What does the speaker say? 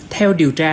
theo điều tra